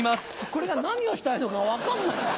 これが何をしたいのか分かんない。